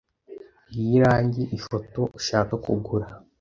Ngiyo irangi ifoto ushaka kugura.